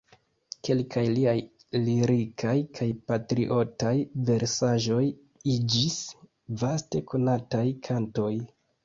Kelkaj liaj lirikaj kaj patriotaj versaĵoj iĝis vaste konataj kantoj.